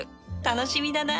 楽しみだな